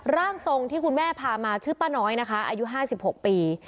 ร่างทรงที่คุณแม่พามาชื่อป้าน้อยนะคะอายุ๕๖ปี